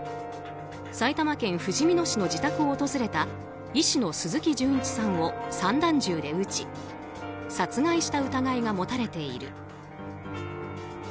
埼玉県ふじみ野市の自宅を訪れた医師の鈴木純一さんを散弾銃で撃ち殺害した疑いが持たれている。